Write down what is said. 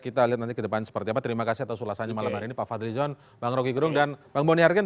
kita lihat nanti kedepan seperti apa terima kasih atas ulasannya malam hari ini pak fadli zon bang rocky gerung dan bang boni hargen